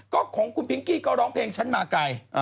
ก็ของคุณพิงกี้ก็ร้องเพลงฉันมาไกล